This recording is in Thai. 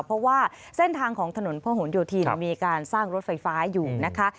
เพราะว่าเส้นทางของถนนพระหลโยธินมีการสร้างรถไฟฟ้าอยู่นะคะ